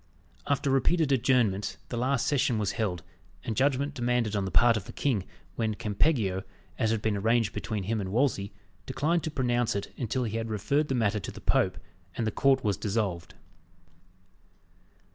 After repeated adjournments, the last session was held, and judgment demanded on the part of the king, when Campeggio, as had been arranged between him and Wolsey, declined to pronounce it until he had referred the matter to the Pope, and the court was dissolved.